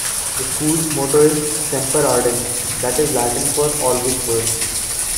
The school's motto is "Semper Ardens", this is Latin for always burning.